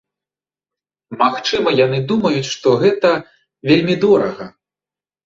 Магчыма, яны думаюць, што гэта вельмі дорага.